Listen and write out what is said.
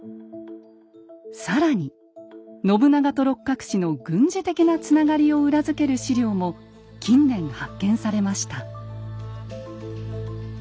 更に信長と六角氏の軍事的なつながりを裏付ける史料も近年発見されました。